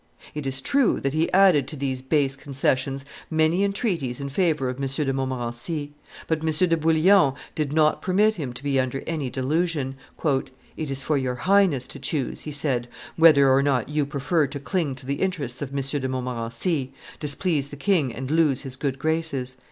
It is true that he added to these base concessions many entreaties in favor of M. de Montmorency; but M. de Bullion did not permit him to be under any delusion. "It is for your Highness to choose," he said, "whether or not you prefer to cling to the interests of M. de Montmorency, displease the king and lose his good graces."